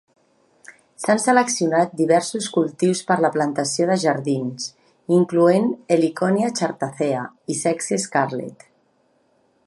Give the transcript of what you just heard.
S'han seleccionat diversos cultius per la plantació de jardins, incloent "Heliconia chartacea" i "Sexy scarlet".